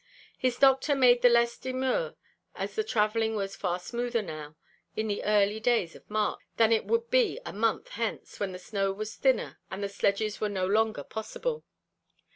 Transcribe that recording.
His doctor made the less demur as the traveling was far smoother now, in the early days of March, than it would be a month hence, when the snow was thinner and the sledges were no longer possible.